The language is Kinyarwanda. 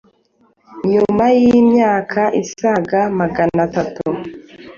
Nyuma y’imyaka isaga maganatatu,